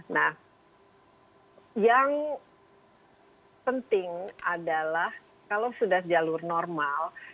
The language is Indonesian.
nah yang penting adalah kalau sudah jalur normal